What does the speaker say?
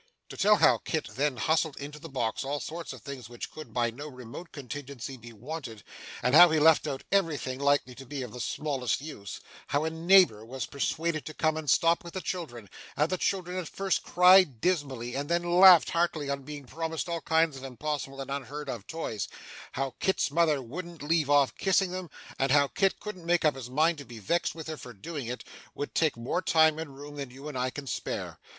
To tell how Kit then hustled into the box all sorts of things which could, by no remote contingency, be wanted, and how he left out everything likely to be of the smallest use; how a neighbour was persuaded to come and stop with the children, and how the children at first cried dismally, and then laughed heartily on being promised all kinds of impossible and unheard of toys; how Kit's mother wouldn't leave off kissing them, and how Kit couldn't make up his mind to be vexed with her for doing it; would take more time and room than you and I can spare.